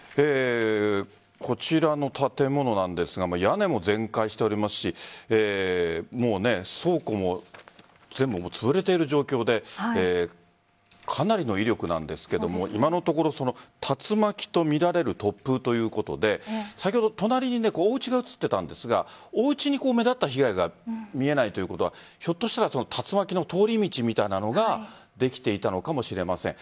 こちらの建物なんですが屋根も全壊しておりますし倉庫も全部つぶれている状況でかなりの威力なんですが今のところ竜巻とみられる突風ということで先ほど隣におうちが映っていたんですがおうちに目立った被害は見えないということはひょっとしたら竜巻の通り道みたいなものができていたのかもしれません。